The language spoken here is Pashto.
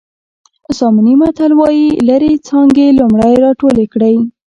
ساموني متل وایي لرې څانګې لومړی راټولې کړئ.